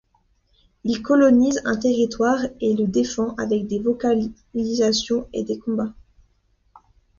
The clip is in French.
Il colonisent un territoire et le défendent avec des vocalisations et des combats.